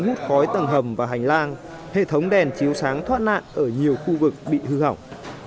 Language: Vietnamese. hút khói tầng hầm và hành lang hệ thống đèn chiếu sáng thoát nạn ở nhiều khu vực bị hư hỏng